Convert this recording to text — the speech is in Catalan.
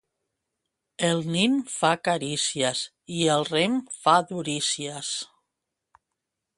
El nin fa carícies i el rem fa durícies.